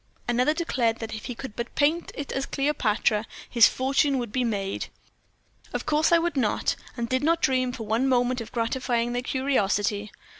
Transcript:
Another declared that if he could but paint it as Cleopatra, his fortune would be made. Of course I would not, and did not dream for one moment of gratifying their curiosity.